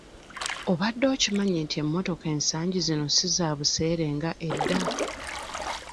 Obadde okimanyi nti emmotoka ensangi zino si za buseere nga edda?